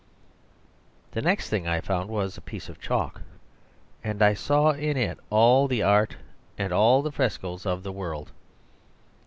The next thing I found was a piece of chalk; and I saw in it all the art and all the frescoes of the world.